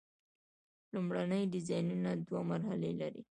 لومړني ډیزاینونه دوه مرحلې لري.